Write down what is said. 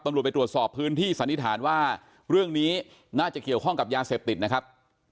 ไปตรวจสอบพื้นที่สันนิษฐานว่าเรื่องนี้น่าจะเกี่ยวข้องกับยาเสพติดนะครับ